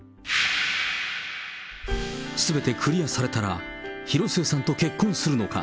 すべてクリアされたら、広末さんと結婚するのか？